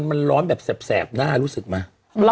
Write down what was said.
มันร้อนแบบแสบหน้ารู้สึกไหม